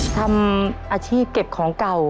ทำอาชีพเก็บของเก่า